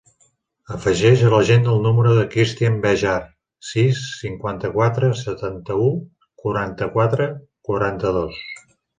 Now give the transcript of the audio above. Afegeix a l'agenda el número del Christian Bejar: sis, cinquanta-quatre, setanta-u, quaranta-quatre, quaranta-dos.